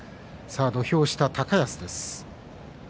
土俵下には高安です。